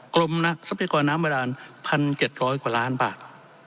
กรมนักทรัพยากรน้ำบาดาน๑๗๐๐กว่าล้านบาท